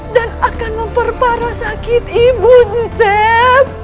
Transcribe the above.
dan akan memperparah sakit ibu nceb